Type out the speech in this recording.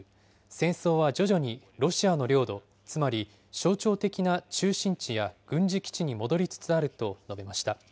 戦争は徐々にロシアの領土、つまり象徴的な中心地や軍事基地に戻りつつあると述べました。